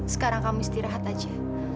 sekarang kamu istirahat aja